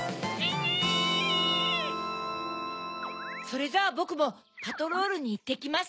それじゃあぼくもパトロールにいってきますね。